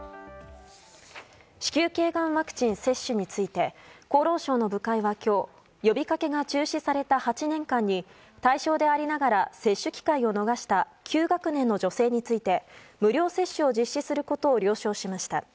子宮頸がんワクチン接種について厚労省の部会は今日呼びかけが中止された８年間に対象でありながら接種機会を逃した９学年の女性について無料接種を実施することを了承しました。